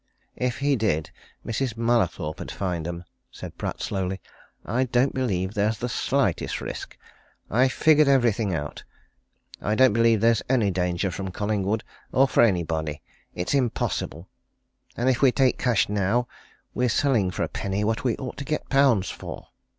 "If he did, Mrs. Mallathorpe 'ud find 'em," said Pratt slowly. "I don't believe there's the slightest risk. I've figured everything out. I don't believe there's any danger from Collingwood or from anybody it's impossible! And if we take cash now we're selling for a penny what we ought to get pounds for."